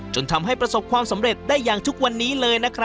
จนทำให้ประสบความสำเร็จได้อย่างทุกวันนี้เลยนะครับ